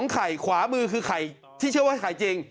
ไข่ขวามือคือไข่ที่เชื่อว่าไข่จริง